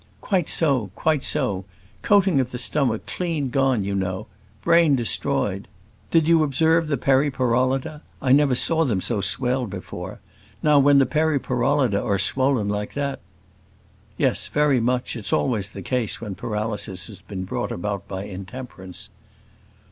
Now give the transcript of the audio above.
"Quite so; quite so; coating of the stomach clean gone, you know; brain destroyed: did you observe the periporollida? I never saw them so swelled before: now when the periporollida are swollen like that " "Yes, very much; it's always the case when paralysis has been brought about by intemperance."